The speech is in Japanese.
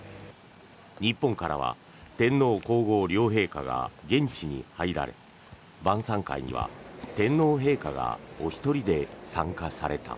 日本からは天皇・皇后両陛下が現地に入られ晩さん会には天皇陛下がお一人で参加された。